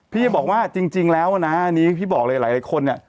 พี่จะบอกว่าจริงแล้วนะพี่บอกเลยหลายคน